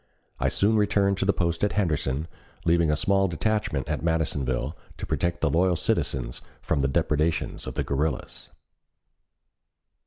I soon returned to the post at Henderson, leaving a small detachment at Madisonville to protect the loyal citizens from the depredations of the guerrillas.